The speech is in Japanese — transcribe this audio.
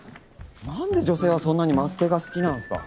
何で女性はそんなにマステが好きなんすか？